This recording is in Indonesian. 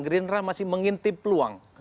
greenress masih mengintip luang